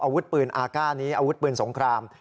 อาวุธปืนอาก้านี้อาวุธปืนสงคราม